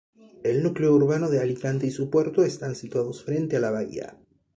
El núcleo urbano de Alicante y su puerto están situados frente a la bahía.